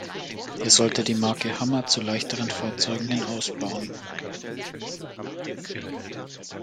Er sollte die Marke Hummer zu leichteren Fahrzeugen hin ausbauen.